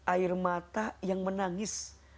air mata yang menangis